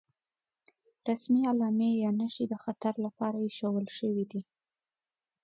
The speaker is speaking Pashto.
رسمي علامې یا نښې د خطر لپاره ايښودل شوې دي.